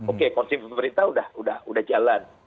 oke konsumsi pemerintah sudah jalan